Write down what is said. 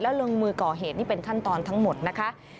ลงมือก่อเหตุนี่เป็นขั้นตอนทั้งหมดนะคะ